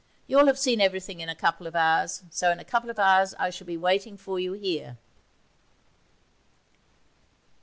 You'll have seen everything in a couple of hours, so in a couple of hours I shall be waiting for you here.'